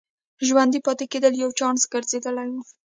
ژوندي پاتې کېدل یو چانس ګرځېدلی و.